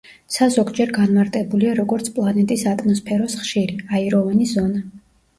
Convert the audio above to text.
ცა ზოგჯერ განმარტებულია, როგორც პლანეტის ატმოსფეროს ხშირი, აიროვანი ზონა.